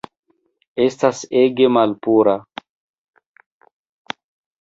Estas ege malpura